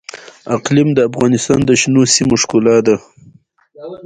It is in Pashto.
اقلیم د افغانستان د شنو سیمو ښکلا ده.